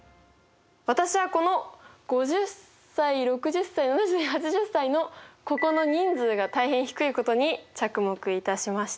私はこの５０歳６０歳７０８０歳のここの人数が大変低いことに着目いたしました。